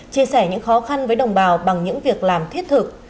chia sẻ những khó khăn với đồng bào bằng những việc làm thiết thực